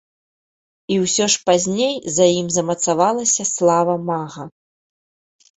І ўсё ж пазней за ім замацавалася слава мага.